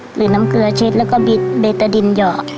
หรือน้ำเกลือเช็ดแล้วก็บิดเบตาดินหยอด